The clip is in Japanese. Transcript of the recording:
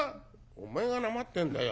「お前がなまってんだよ。